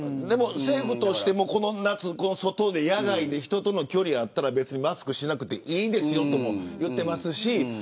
政府としても、この夏、野外で人との距離あったらマスクしなくていいですよとも言っています。